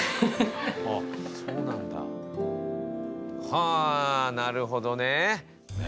はあなるほどね。ね